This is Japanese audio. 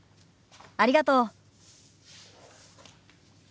ありがとう。